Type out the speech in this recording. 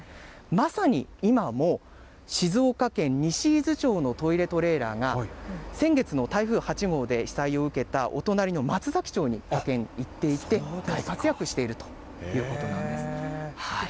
まさに今も、静岡県西伊豆町のトイレトレーラーが、先月の台風８号で被災を受けたお隣のまつざき町に派遣、行っていて、大活躍しているということなんです。